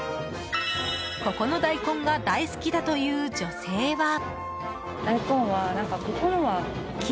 ここの大根が大好きだという女性は。